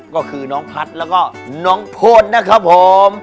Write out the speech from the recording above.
ก็คือน้องพัฒน์แล้วก็น้องโพดนะครับผม